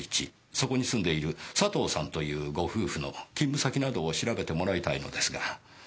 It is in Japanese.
そこに住んでいる佐藤さんというご夫婦の勤務先などを調べてもらいたいのですが。